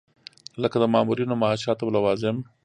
لکه د مامورینو معاشات او لوازم.